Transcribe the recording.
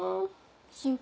心配？